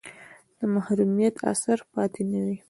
د محرومیت اثر پاتې نه وي.